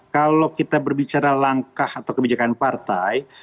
kalau kita berbicara langkah atau kebijakan partai